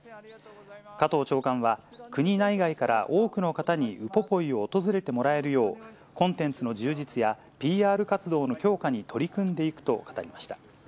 加藤長官は、国内外から多くの方にウポポイを訪れてもらえるよう、コンテンツの充実やＰＲ活動の強化に取り組んでいくと語りました。